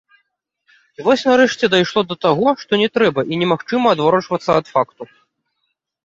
І вось нарэшце дайшло да таго, што не трэба і немагчыма адварочвацца ад факту.